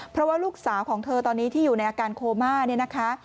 เพราะว่าลูกสาวของเธอตอนนี้ที่อยู่ในอาการโคม่าเนี่ยนะคะ